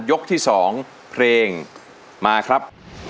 ยกที่๒เพลงมาครับ